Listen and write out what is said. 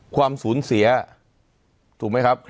ความสูญเสียถูกไหมครับ